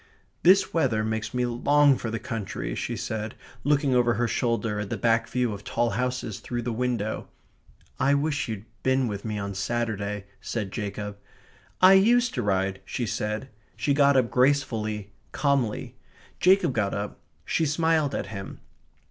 "This weather makes me long for the country," she said, looking over her shoulder at the back view of tall houses through the window. "I wish you'd been with me on Saturday," said Jacob. "I used to ride," she said. She got up gracefully, calmly. Jacob got up. She smiled at him.